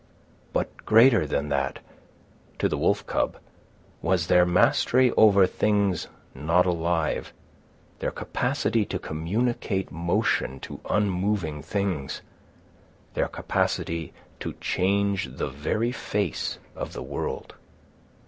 But greater than that, to the wolf cub, was their mastery over things not alive; their capacity to communicate motion to unmoving things; their capacity to change the very face of the world.